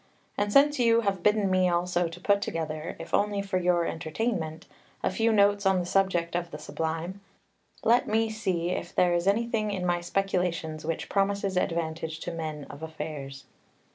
2 And since you have bidden me also to put together, if only for your entertainment, a few notes on the subject of the Sublime, let me see if there is anything in my speculations which promises advantage to men of affairs.